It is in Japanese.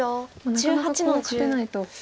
なかなかコウは勝てないと。